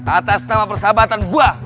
atas nama persahabatan gue